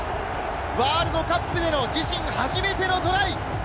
ワールドカップでの自身初めてのトライ！